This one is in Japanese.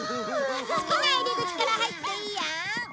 好きな入り口から入っていいよ！